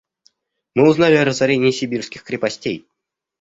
Мы узнали о разорении сибирских крепостей.